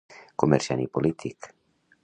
Comerciant i polític.